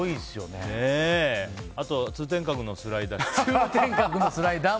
あと、通天閣のスライダー。